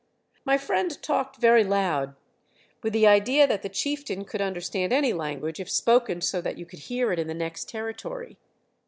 My friend talked very loud, with the idea that the chieftain could understand any language if spoken so that you could hear it in the next Territory.